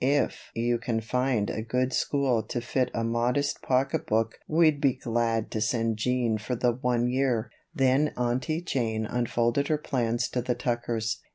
If you can find a good school to fit a modest pocketbook we'd be glad to send Jean for the one year." Then Aunty Jane unfolded her plans to the Tuckers.